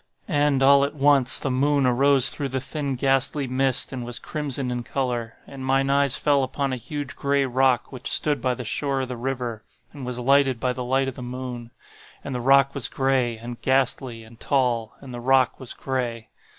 "And, all at once, the moon arose through the thin ghastly mist, and was crimson in color. And mine eyes fell upon a huge gray rock which stood by the shore of the river, and was lighted by the light of the moon. And the rock was gray, and ghastly, and tall,—and the rock was gray.